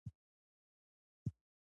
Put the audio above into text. پانګونه نن، ګټه سبا